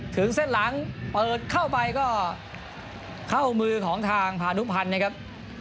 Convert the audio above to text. ถึงเส้นหลังเปิดเข้าไปก็เข้ามือของทางพานุพันธ์นะครับ